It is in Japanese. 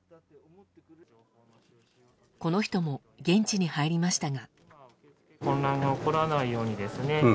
この人も、現地に入りましたが。